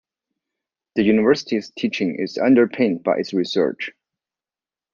The university's teaching is underpinned by its research.